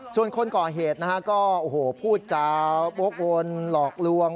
ส่วนคนก่อเหตุพูดจาโปรโมนหลอกลวง